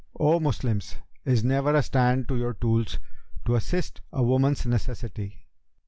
O Moslems, is never a stand to your tools, * To assist a woman's necessity?'